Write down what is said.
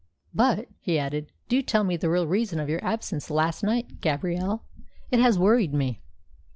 But," he added, "do tell me the real reason of your absence last night, Gabrielle. It has worried me."